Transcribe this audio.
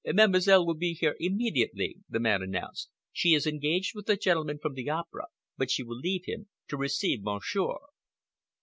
"Mademoiselle will be here immediately," the man announced. "She is engaged with a gentleman from the Opera, but she will leave him to receive Monsieur."